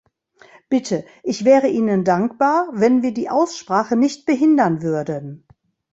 Bitte, ich wäre Ihnen dankbar, wenn wir die Aussprache nicht behindern würden.